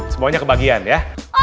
semuanya kebagian ya